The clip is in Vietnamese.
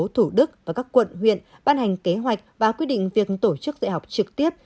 thủ đức và các quận huyện ban hành kế hoạch và quyết định việc tổ chức dạy học trực tiếp